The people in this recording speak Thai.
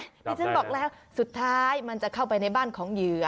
ที่ฉันบอกแล้วสุดท้ายมันจะเข้าไปในบ้านของเหยื่อ